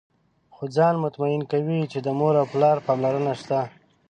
خو ځان مطمئن کوي چې د مور او پلار پاملرنه شته.